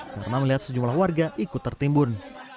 karena melihat sejumlah warga ikut tertimbun